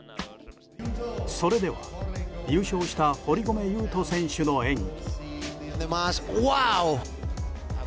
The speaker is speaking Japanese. それでは優勝した堀米雄斗選手の演技。